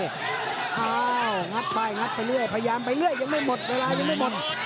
อ้าวงัดไปงัดไปเรื่อยพยายามไปเรื่อยยังไม่หมดเวลายังไม่หมด